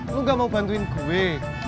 lu gak mau bantuin gue